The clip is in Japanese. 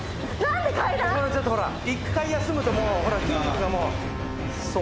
ちょっとほら１回休むともうほら筋肉がもう。